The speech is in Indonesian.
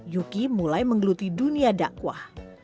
yuki mulai menggeluti dunia dakwah